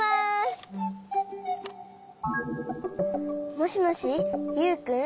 もしもしユウくん？